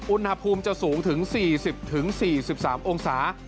อุณหภูมิจะสูงถึง๔๐๔๓องศา